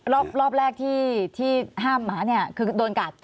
รอบแรกที่ห้ามหมาเนี่ยคือโดนกัด